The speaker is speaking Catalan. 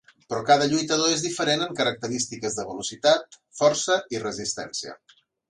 Però cada lluitador és diferent en característiques de velocitat, força i resistència.